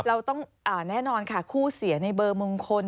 เราต้องแน่นอนค่ะคู่เสียในเบอร์มงคล